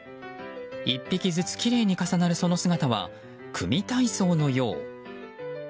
１匹ずつきれいに重なるその姿は組体操のよう。